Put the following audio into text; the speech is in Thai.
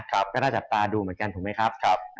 ก็ได้จัดตราดูเหมือนกัน